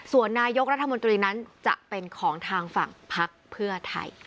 ส่วนนายกรัฐมนตรีนั้นจะเป็นของทางฝั่งพักเพื่อไทย